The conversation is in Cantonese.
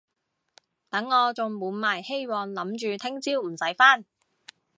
等我仲滿懷希望諗住聽朝唔使返